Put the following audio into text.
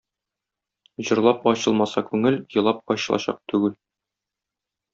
Җырлап ачылмаса күңел, елап ачылачак түгел.